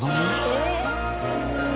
えっ？